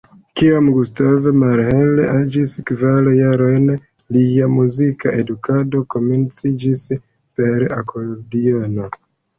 Kiam Gustav Mahler aĝis kvar jarojn, lia muzika edukado komenciĝis per akordiono.